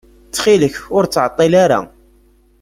Ttxil-k, ur ttɛeṭṭil ara.